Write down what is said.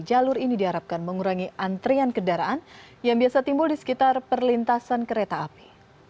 jalur ini diharapkan mengurangi antrian kendaraan yang biasa timbul di sekitar perlintasan kereta api